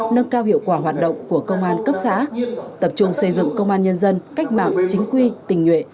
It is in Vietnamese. nâng cao hiệu quả hoạt động của công an cấp xã tập trung xây dựng công an nhân dân cách mạng chính quy tình nhuệ